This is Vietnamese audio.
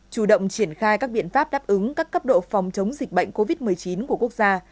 chủ động triển khai các biện pháp đáp ứng các cấp độ phòng chống dịch bệnh covid một mươi chín của quốc gia